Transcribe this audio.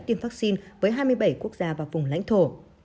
tiêm vaccine với hai mươi bảy quốc gia và vùng lãnh thổ